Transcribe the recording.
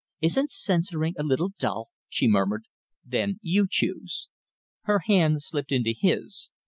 "Isn't censoring a little dull?" she murmured. "Then you choose " Her hand slipped into his.